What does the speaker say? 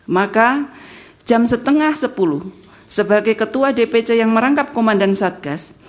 maka jam setengah sepuluh sebagai ketua dpc yang merangkap komandan satgas